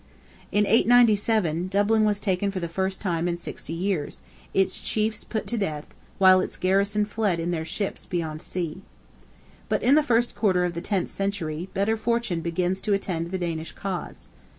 In 897, Dublin was taken for the first time in sixty years, its chiefs put to death, while its garrison fled in their ships beyond sea. But in the first quarter of the tenth century, better fortune begins to attend the Danish cause.